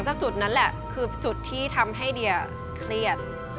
จุดนั้นแหละคือจุดที่ทำให้เดียเครียด